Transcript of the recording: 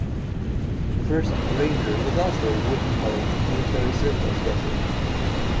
The first "Ranger" was also a wooden-hulled military surplus vessel.